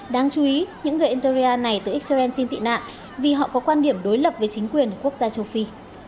đáng chú ý những người algeria này từ israel xin tị nạn vì họ có quan điểm đối lập với chính quyền quốc gia châu phi